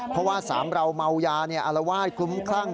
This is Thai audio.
เพราะว่าสามเราเมายาอะไรว่าคุ้มขรั้ง